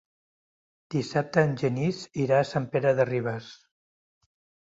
Dissabte en Genís irà a Sant Pere de Ribes.